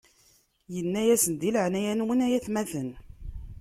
Inna-yasen: Di leɛnaya-nwen, ay atmaten!